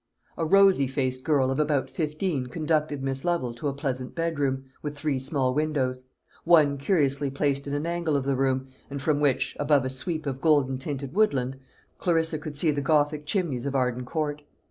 A rosy faced girl of about fifteen conducted Miss Lovel to a pleasant bedroom, with three small windows; one curiously placed in an angle of the room, and from which above a sweep of golden tinted woodland Clarissa could see the gothic chimneys of Arden Court.